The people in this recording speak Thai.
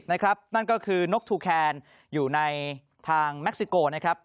นั่นก็คือโน๊คทูแคนอยู่ในทางเม็กซิโก